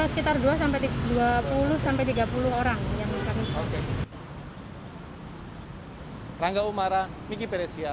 sekitar dua sampai dua puluh sampai tiga puluh orang yang kami sobek